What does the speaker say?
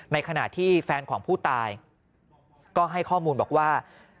ในขณะที่แฟนของผู้ตายก็ให้ข้อมูลบอกว่า